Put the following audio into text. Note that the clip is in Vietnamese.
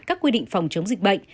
các quy định phòng chống dịch bệnh